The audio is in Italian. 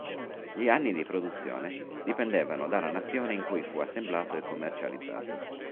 Gli anni di produzione dipendevano dalla nazione in cui fu assemblato e commercializzato.